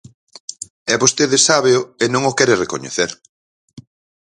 E vostede sábeo e non o quere recoñecer.